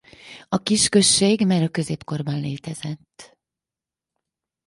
A kisközség már a középkorban létezett.